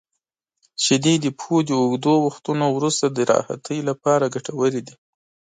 • شیدې د پښو د اوږدو وختونو وروسته د راحتۍ لپاره ګټورې دي.